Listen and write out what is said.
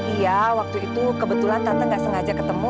iya waktu itu kebetulan tante gak sengaja ketemu